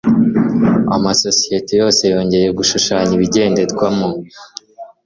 amasosiyete yose yongeye gushushanya ibigenderwamo